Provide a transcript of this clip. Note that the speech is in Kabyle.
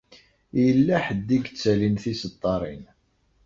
Yella ḥedd i yettalin tiseddaṛin.